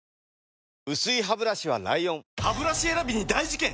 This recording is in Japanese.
薄いハブラシは ＬＩＯＮハブラシ選びに大事件！